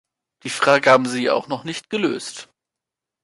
Die Frage haben Sie ja auch noch nicht gelöst!